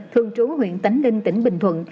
thường trú huyện tánh linh tỉnh bình thuận